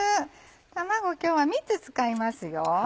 卵今日は３つ使いますよ。